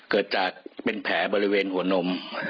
เกิดจากเป็นแผลบริเวณหัวนม